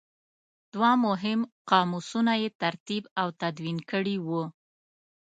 دوه مهم قاموسونه یې ترتیب او تدوین کړي وو.